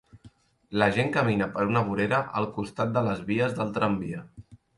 La gent camina per una vorera al costat de les vies del tramvia.